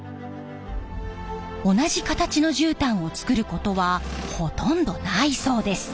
同じ形のじゅうたんを作ることはほとんどないそうです。